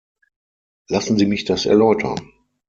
Lassen sie mich das erläutern.